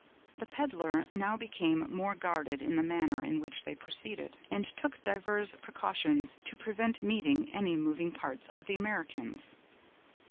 The peddler now became more guarded in the manner in which they proceeded, and took divers precautions to prevent meeting any moving parts of the Americans.